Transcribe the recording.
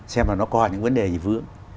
xem là nó còn những vấn đề gì vướng